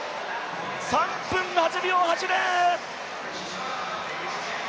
３分８秒８０！